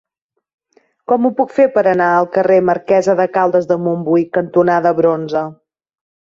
Com ho puc fer per anar al carrer Marquesa de Caldes de Montbui cantonada Bronze?